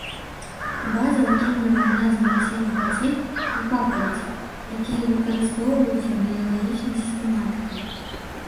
База ўтрымлівае назвы насенных раслін і папараці, якія выкарыстоўваюцца біялагічнай сістэматыкай.